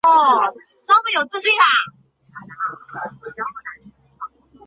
他把自己研究数据模型称之为角色数据模型。